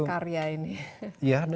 melakukan karya ini